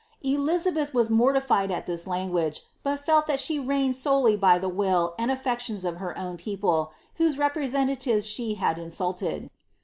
Elizabeth was mortiBed at thia language, but felt that she reigned Mk by the will and affections of her own people, whose representative* ■ had insulted.